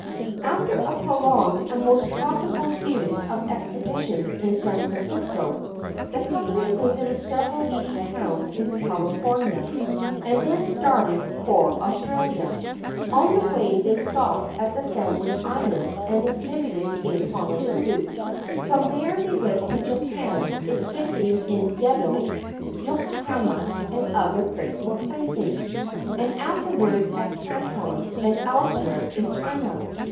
After a prolonged and most profitable series of exhibitions in San Francisco, the company visited several leading towns in California and then started for Australia. On the way they stopped at the Sandwich Islands and exhibited in Honolulu. From there they went to Japan, exhibiting in Yeddo, Yokohama and other principle places, and afterwards at Canton and elsewhere in China.